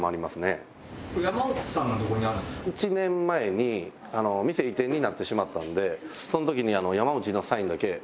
１年前に店移転になってしまったんでその時に山内のサインだけ。